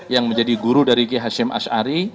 yang menjadi guru dari kia hashim ash'ari